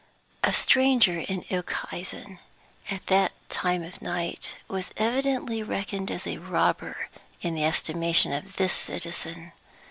A stranger in Eukhuizen at that time of night was evidently reckoned as a robber in the estimation of this citizen!